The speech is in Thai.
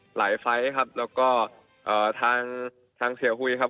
หลายไฟล์ครับแล้วก็อ่าทางทางเสียหุ้ยครับ